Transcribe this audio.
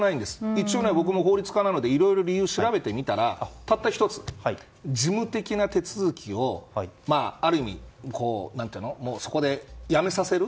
一応僕も法律家などでいろいろ理由を調べてみたらたった１つ、事務的な手続きをある意味そこでやめさせる。